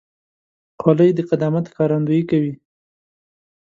خولۍ د قدامت ښکارندویي کوي.